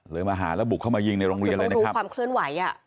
มาหาแล้วบุกเข้ามายิงในโรงเรียนเลยนะครับความเคลื่อนไหวอ่ะ